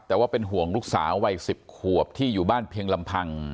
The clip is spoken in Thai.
แต่ว่าเป็นห่วงลูกสาววัย๑๐ขวบที่อยู่บ้านเพียงลำพัง